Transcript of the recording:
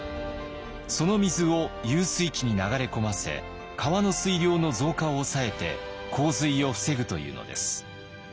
その水を遊水池に流れ込ませ川の水量の増加を抑えて洪水を防ぐというのです。